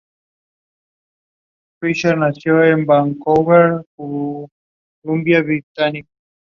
Each weightlifter had three attempts at each of the three lifts.